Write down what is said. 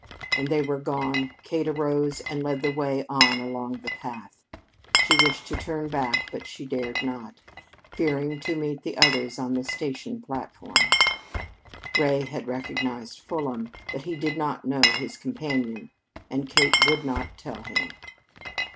When they were gone, Kate arose and led the way on along the path. She wished to turn back, but she dared not, fearing to meet the others on the station platform. Ray had recognized Fulham, but he did not know his companion, and Kate would not tell him.